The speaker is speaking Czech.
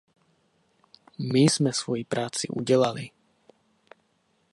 My jsme svoji práci udělali.